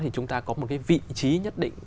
chúng ta có một vị trí nhất định